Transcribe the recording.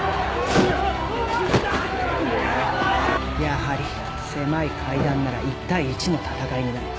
やはり狭い階段なら１対１の戦いになる。